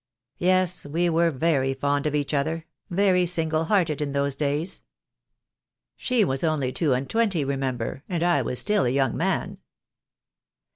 Yes, we were very fond of each other, very single hearted in those days. She was only two and twenty, remember, and I was still a young man."